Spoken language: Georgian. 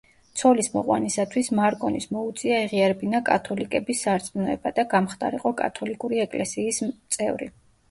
ცოლის მოყვანისათვის მარკონის მოუწია ეღიარებინა კათოლიკების სარწმუნოება და გამხდარიყო კათოლიკური ეკლესიის წევრი.